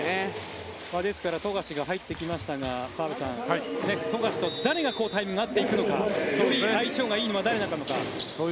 ですから富樫が入ってきましたが澤部さん、富樫と誰がタイミングが合っているのか相性がいいのは誰なのかという。